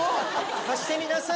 貸してみなさい。